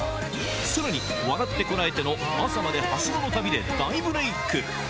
さらに笑ってコラえて！の朝までハシゴの旅で大ブレーク。